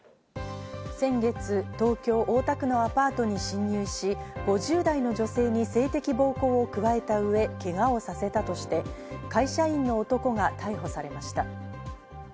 先月、東京・大田区のアパートに侵入し、５０代の女性に性的暴行を加えたうえ、けがをさせたとして、会社員の男が逮捕されました。